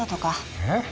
えっ？